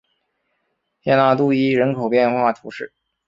谢讷杜伊人口变化图示